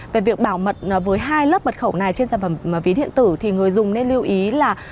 về việc bảo mật với hai lớp mật khẩu này trên sản phẩm ví điện tử thì người dùng nên lưu ý là